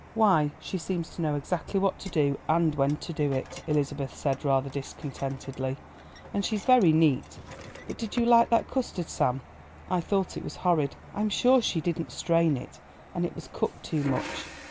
"Why, she seems to know exactly what to do, and when to do it," Elizabeth said rather discontentedly, "and she's very neat; but did you like that custard, Sam? I thought it was horrid; I'm sure she didn't strain it, and it was cooked too much."